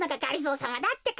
さまだってか。